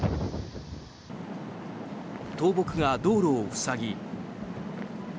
倒木が道路を塞ぎ